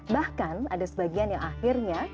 bahkan ada sebagian yang akhirnya